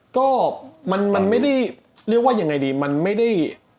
ก็มันไม่ได้เรียกว่ายังไงดีมันไม่ได้